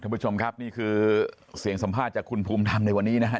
ผู้ชมครับนี่คือเสียงสัมภาษณ์จากคุณภูมิธรรมในวันนี้นะครับ